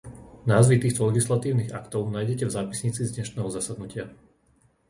Názvy týchto legislatívnych aktov nájdete v zápisnici z dnešného zasadnutia.